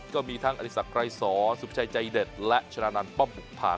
ที่ก็มีทั้งอธิษฐกรายสวรรค์สุภิชัยใจเด็ดและชนะนันต์ป้อมบุภา